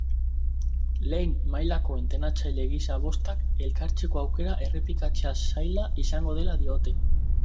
Lehen mailako entrenatzaile gisa bostak elkartzeko aukera errepikatzea zaila izango dela diote.